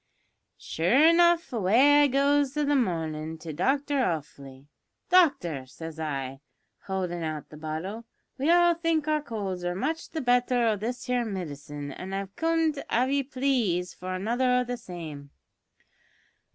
"Sure enough away I goes i' the marnin' to Doctor Offley. `Doctor,' says I, howldin' out the bottle, `we all think our colds are much the better o' this here midcine, an' I comed, av ye plaze, for another o' the same.'